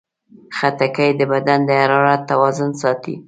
خټکی د بدن د حرارت توازن ساتي.